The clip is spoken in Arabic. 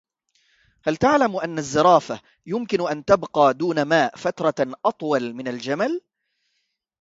هل تعلم أن الزرافة يمكنها أن تبقى دون ماء فترة أطول من الجمل.